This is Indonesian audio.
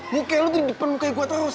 muka lo tuh di depan muka gue terus